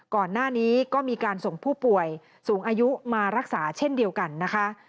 ก่อนหน้านี้ก็มีการส่งผู้ป่วยสูงอายุมารักษาเช่นเดียวกันนะคะ